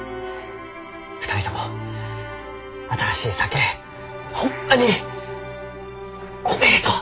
２人とも新しい酒ホンマにおめでとう！